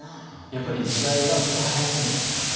やっぱり時代はちょっと早すぎたんじゃないか。